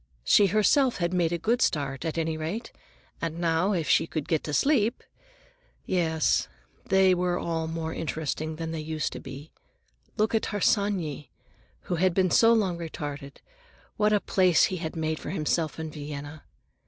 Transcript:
She herself had made a good start, at any rate, and now, if she could get to sleep—Yes, they were all more interesting than they used to be. Look at Harsanyi, who had been so long retarded; what a place he had made for himself in Vienna.